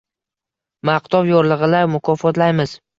Maqtov yorlig’i-la mukofotlaymiz